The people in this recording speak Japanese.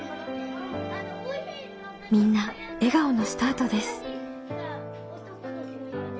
みんな笑顔のスタートです。